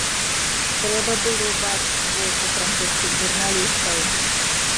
Трэба было бачыць вочы французскіх журналістаў.